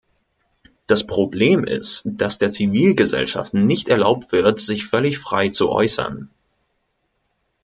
Das Problem ist, dass der Zivilgesellschaft nicht erlaubt wird, sich völlig frei zu äußern.